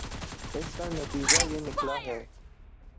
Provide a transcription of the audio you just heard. اس کا نتیجہ یہ نکلا ہے